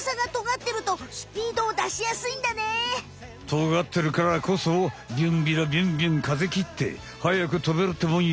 トガってるからこそビュンビュラビュンビュン風きってはやくとべるってもんよ。